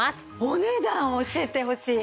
お値段教えてほしい。